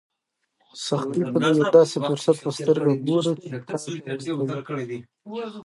سختۍ ته د یو داسې فرصت په سترګه ګوره چې تا پیاوړی کوي.